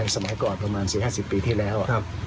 สมัยก่อนประมาณ๔๕๐ปีที่แล้ว